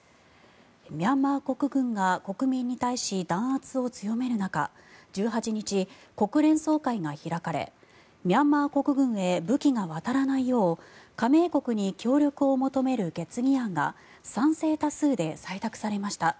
ミャンマー国軍が国民に対し弾圧を強める中１８日、国連総会が開かれミャンマー国軍へ武器が渡らないよう加盟国に協力を求める決議案が賛成多数で採択されました。